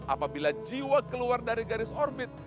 apabila jiwa keluar dari garis orbit